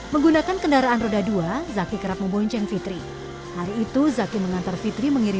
mbak plata lalu mereka membuka siswa kita di virtueo ini